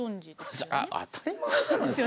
それは当たり前じゃないですか。